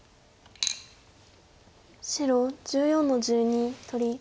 白１４の十二取り。